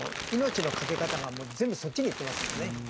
命のかけ方が全部そっちに行ってますもんね。